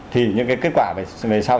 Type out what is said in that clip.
thì những cái kết quả về sau